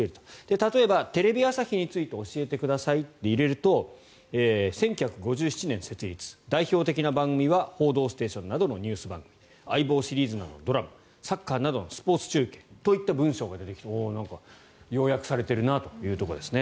例えば、テレビ朝日について教えてくださいって入れると１９５７年設立、代表的な番組は「報道ステーション」などのニュース番組「相棒」シリーズなどのドラマサッカーなどのスポーツ中継といった文章が出てきて要約されているなというところですね。